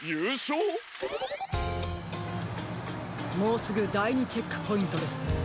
もうすぐだい２チェックポイントです。